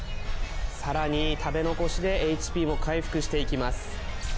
更にたべのこしでＨＰも回復していきます。